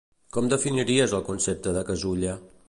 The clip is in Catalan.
Com definiries el concepte de casulla?